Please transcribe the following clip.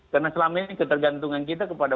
karena selama ini ketergantungan kita kepada